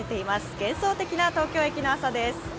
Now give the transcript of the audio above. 幻想的な東京駅の朝です。